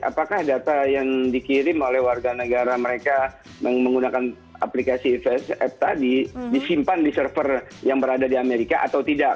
apakah data yang dikirim oleh warga negara mereka menggunakan aplikasi face app tadi disimpan di server yang berada di amerika atau tidak